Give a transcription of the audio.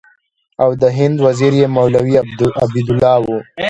او د هند وزیر یې مولوي عبیدالله و.